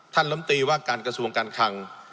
ลำตีว่าการกระทรวงการคัง